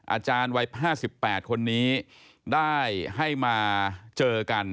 อาจารย์วัย๕๘คนนี้ได้ให้มาเจอกัน